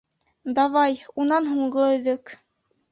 Давай, унан һуңғы өҙөк!